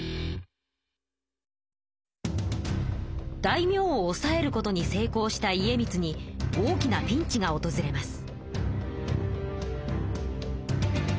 大名を抑えることに成功した家光に大きなピンチがおとずれます。